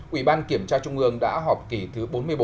ủy ban kiểm tra trung ương đã họp kỳ thứ bốn mươi bốn